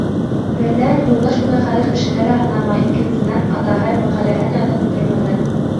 Берҙән, Юлдаш уны хәҙер кешегә лә һанамай, икенсенән, атаһы мәҡәләһен яҙып бөтөрмәгән.